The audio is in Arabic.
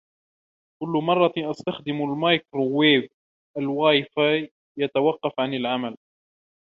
كل مرة أستخدم المايكروويف, الواي فاي يتوقف عن العمل.